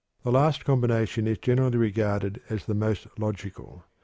The last combination is generally regarded as the most logical.